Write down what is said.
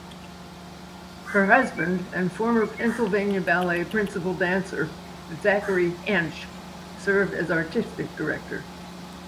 Her husband and former Pennsylvania Ballet principal dancer Zachary Hench served as artistic director.